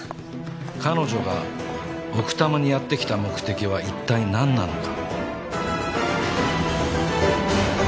彼女が奥多摩にやってきた目的はいったい何なのか？